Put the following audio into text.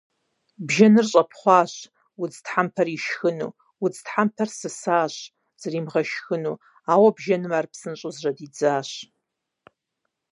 Бжэныр щӀэпхъуащ, удз тхьэмпэр ишхыну, удз тхьэмпэр сысащ, зримыгъэшхыну, ауэ бжэным ар псынщӀэу жьэдидзащ.